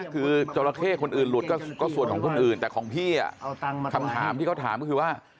คือจราเข้คนอื่นหลุดก็ส่วนของคนอื่นแต่ของพี่คำถามที่เขาถามก็คือว่า